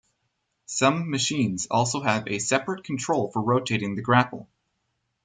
Some machines also have a separate control for rotating the grapple.